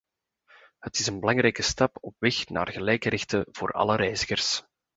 Het is een belangrijke stap op weg naar gelijke rechten voor alle reizigers.